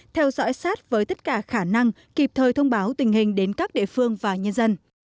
theo dõi sát với tất cả khả năng kịp thời thông báo tình hình đến các địa phương và nhân dân